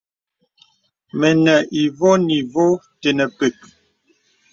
Mənə ivɔ̄ɔ̄ nì vɔ̄ɔ̄ tənə pək.